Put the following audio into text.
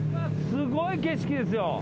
すごい景色ですよ。